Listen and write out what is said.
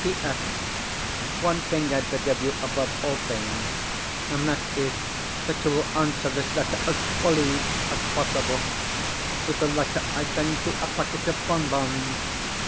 P.S. One thing I beg of you above all things and that is, that you will answer this letter as FULLY as possible. With the letter I send you a packet of bonbons.